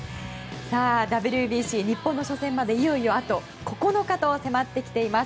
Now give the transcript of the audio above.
ＷＢＣ、日本の初戦までいよいよあと９日と迫っています。